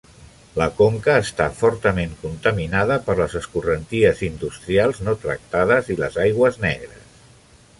La conca està fortament contaminada per les escorrenties industrials no tractades i les aigües negres.